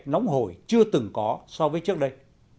nóng hổi chưa từng có so với trước đây